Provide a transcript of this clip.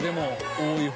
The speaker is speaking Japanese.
多い方。